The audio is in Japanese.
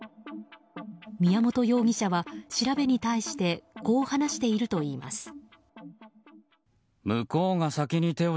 宮本容疑者は調べに対してこう話しているといいます。